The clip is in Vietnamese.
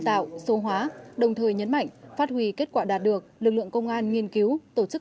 tạo số hóa đồng thời nhấn mạnh phát huy kết quả đạt được lực lượng công an nghiên cứu tổ chức